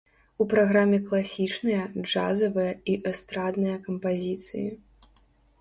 У праграме класічныя, джазавыя і эстрадныя кампазіцыі.